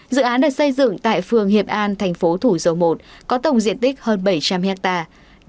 dự án được xây dựng tại phường hiệp an thành phố thủ dầu một có tổng diện tích hơn bảy trăm linh hectare